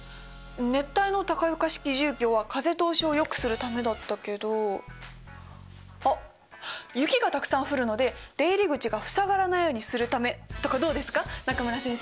熱帯の高床式住居は風通しをよくするためだったけどあっ雪がたくさん降るので出入り口が塞がらないようにするため！とかどうですか中村先生？